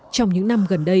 trong những năm gần đây